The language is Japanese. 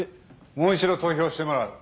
もう一度投票してもらう。